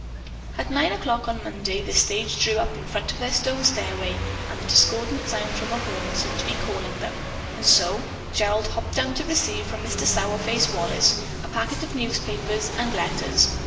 At nine o'clock on Monday the stage drew up in front of their stone stairway and the discordant sound from a horn seemed to be calling them, and so Gerald hopped down to receive from Mr. "Sourface" Wallace a packet of newspapers and letters.